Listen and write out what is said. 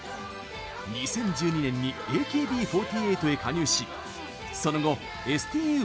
２０１２年にＡＫＢ４８へ加入しその後、ＳＴＵ４８を兼任。